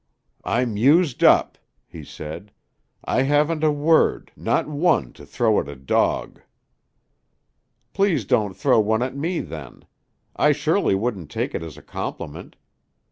"I'm used up," he said; "I haven't a word not one to throw at a dog." "Please don't throw one at me, then. I surely wouldn't take it as a compliment."